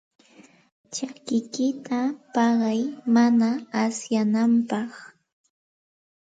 Chakikiyta paqay mana asyananpaq.